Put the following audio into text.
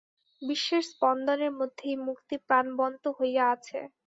বিশ্বের স্পন্দনের মধ্যে এই মুক্তি প্রাণবন্ত হইয়া আছে।